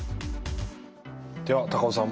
では高尾さん